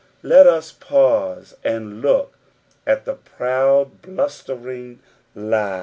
Let us pause and look at the proud blustering lur.